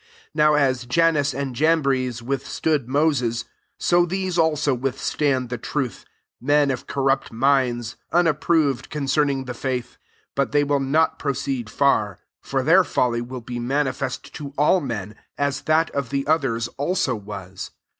8 Now as Jannes and Jambres withstood Moses, so these also withstand the truth: men of corrupt minds, un approved concerning the faith. 9 But they will not proceed far : for their folly will be mani fest to all men, as that, of the others also was.